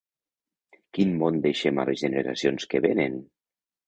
Quin món deixem a les generacions que vénen?